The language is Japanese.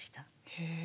へえ。